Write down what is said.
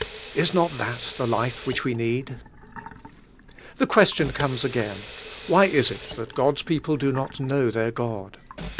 Is not that the life which we need? The question comes again: Wh}^ is it that God's people do not know their God?